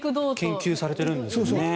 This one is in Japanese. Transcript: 研究されてるんですよね。